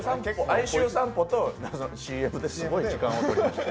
愛愁散歩とＣＭですごい時間かかりました。